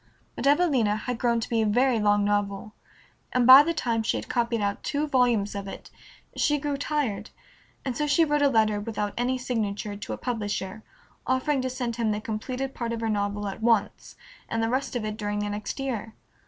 But "Evelina" had grown to be a very long novel, and by the time she had copied out two volumes of it she grew tired, and so she wrote a letter, without any signature, to a publisher, offering to send him the completed part of her novel at once, and the rest of it during the next year.